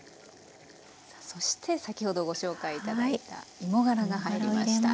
さあそして先ほどご紹介頂いた芋がらが入りました。